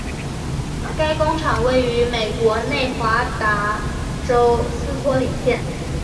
该工厂位于美国内华达州斯托里县。